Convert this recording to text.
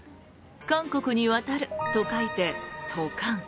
韓国に渡ると書いて渡韓。